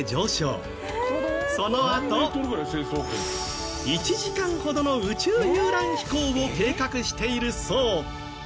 そのあと１時間ほどの宇宙遊覧飛行を計画しているそう。